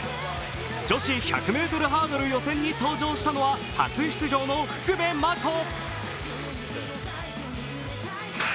女子１００ｍハードル予選に登場したのは初出場の福部真子。